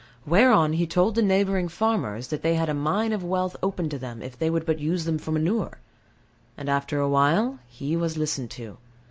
Whereon he told the neighbouring farmers that they had a mine of wealth opened to them, if they would but use them for manure. And after a while he was listened to.